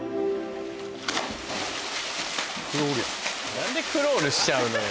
何でクロールしちゃうのよ。